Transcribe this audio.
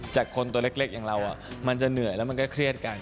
คนตัวเล็กอย่างเรามันจะเหนื่อยแล้วมันก็เครียดกัน